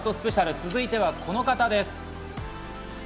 続いては、この方です。